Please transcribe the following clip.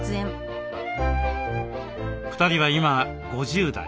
２人は今５０代。